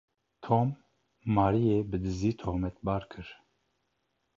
Tom, Maryê bi diziyê tohmetbar kir.